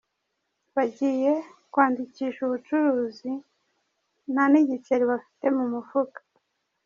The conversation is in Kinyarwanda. Bagiye kwandikisha ubucuruzi ntan’igiceri bafite mu mufuka.